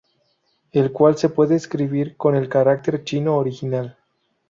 El cual se puede escribir con el carácter chino original.